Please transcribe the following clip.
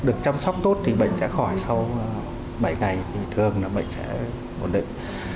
được chăm sóc tốt thì bệnh sẽ khỏi sau bảy ngày thì thường là bệnh sẽ ổn định